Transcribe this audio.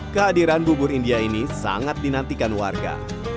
kehadiran bubur india ini sangat dinantikan warga